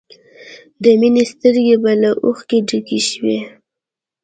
د مینې سترګې به له اوښکو ډکې شوې